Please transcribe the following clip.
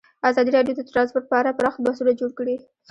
ازادي راډیو د ترانسپورټ په اړه پراخ بحثونه جوړ کړي.